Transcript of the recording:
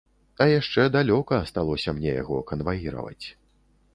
А яшчэ далёка асталося мне яго канваіраваць.